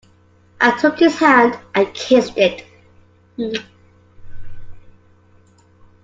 I took his hand and kissed it.